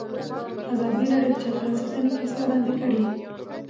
ازادي راډیو د چاپیریال ساتنه کیسې وړاندې کړي.